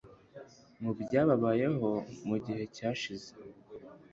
mu byababayeho mu gihe cyashize;